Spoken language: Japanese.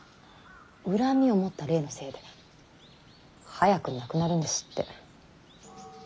恨みを持った霊のせいで早くに亡くなるんですって。